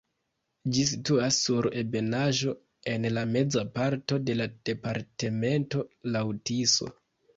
Ĝi situas sur ebenaĵo en la meza parto de la departemento laŭ Tiso.